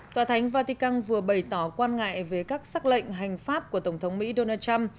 tòa thánh vatican vừa bày tỏ quan ngại về các xác lệnh hành pháp của tổng thống mỹ donald trump